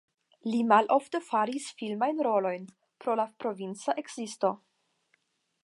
Li malofte havis filmajn rolojn pro la provinca ekzisto.